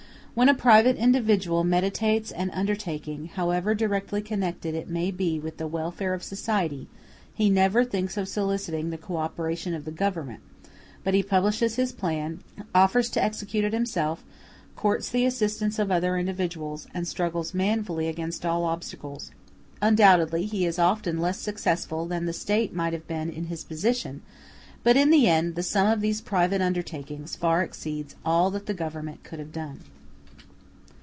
When a private individual meditates an undertaking, however directly connected it may be with the welfare of society, he never thinks of soliciting the co operation of the Government, but he publishes his plan, offers to execute it himself, courts the assistance of other individuals, and struggles manfully against all obstacles. Undoubtedly he is often less successful than the State might have been in his position; but in the end the sum of these private undertakings far exceeds all that the Government could have done.